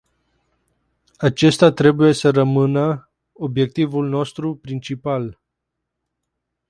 Acesta trebuie să rămână obiectivul nostru principal.